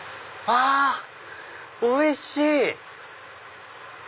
あっおいしい！